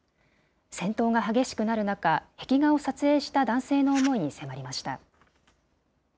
戦闘が激しくなる中、壁画を撮影した男性の思いに迫りました。